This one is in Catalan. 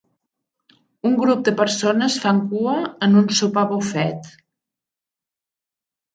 Un grup de persones fan cua en un sopar bufet.